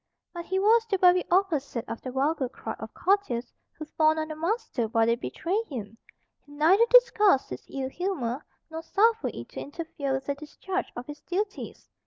But he was the very opposite of the vulgar crowd of courtiers who fawn on a master while they betray him. He neither disguised his ill humour, nor suffered it to interfere with the discharge of his duties.